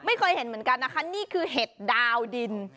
ไม่เคยเห็นเหมือนกันนะคะนี่คือเห็ดดาวดิน